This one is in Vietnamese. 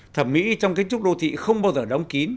thẩm mỹ trong kiến trúc đô thị không bao giờ đóng kín